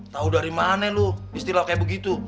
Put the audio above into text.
tahu dari mana lu istilah kayak begitu